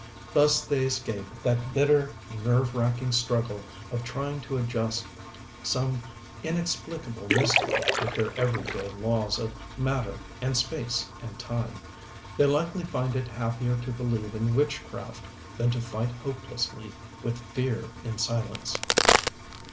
Thus they escape that bitter, nerve wracking struggle of trying to adjust some inexplicable mystery with their every day laws of matter and space and time. They likely find it happier to believe in witchcraft than to fight hopelessly with fear in silence.